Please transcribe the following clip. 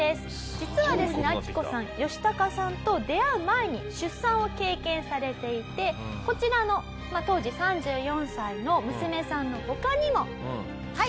実はですねアキコさんヨシタカさんと出会う前に出産を経験されていてこちらの当時３４歳の娘さんの他にもはい。